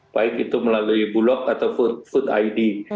baik itu melalui bulog atau food id